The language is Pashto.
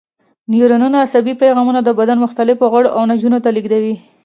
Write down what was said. نیورونونه عصبي پیغامونه د بدن مختلفو غړو او نسجونو ته لېږدوي.